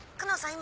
今。